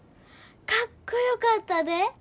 かっこよかったで。